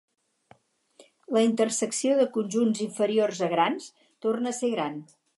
La intersecció de conjunts inferiors a grans torna a ser gran.